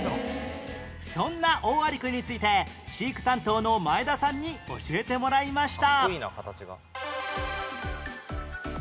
そんなオオアリクイについて飼育担当の前田さんに教えてもらいました